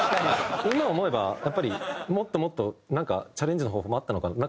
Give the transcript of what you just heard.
今思えばやっぱりもっともっとなんかチャレンジの方法もあったのかな。